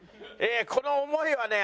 この思いはね